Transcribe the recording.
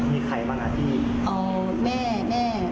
มีใครบ้างนะที่